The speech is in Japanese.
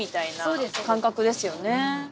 そうです感覚ですよね